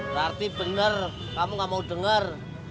berarti bener kamu enggak mau dengar